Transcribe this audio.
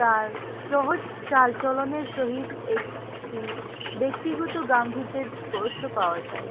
তাঁর সহজ চালচলনের সহিত একটি ব্যক্তিগত গাম্ভীর্যের স্পর্শ পাওয়া যায়।